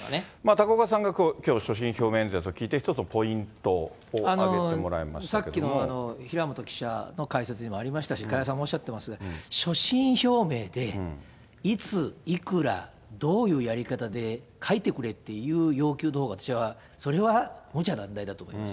高岡さんが、きょうの所信表明演説を聞いて、一つのポイントを掲げてもらいましたけどもさっきの平本記者の解説にもありましたし、加谷さんもおっしゃっていますが、所信表明で、いつ、いくら、どういうやり方で書いてくれっていう要求のほうが、それはむちゃ難題だと思います。